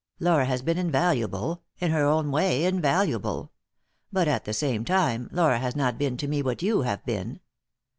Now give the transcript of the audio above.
Laura has been invaluable ; in her own way, invaluable. But, at the same time, Laura has not been to me what you have been."